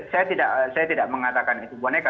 saya tidak mengatakan itu boneka